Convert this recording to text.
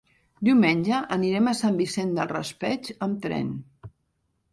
Diumenge anirem a Sant Vicent del Raspeig amb tren.